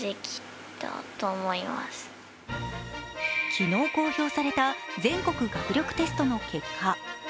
昨日公表された全国学力テストの結果。